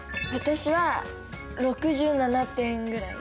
私は６７点ぐらい？